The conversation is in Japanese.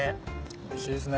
おいしいですね！